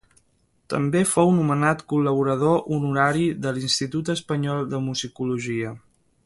També fou nomenat col·laborador honorari de l'Institut Espanyol de Musicologia.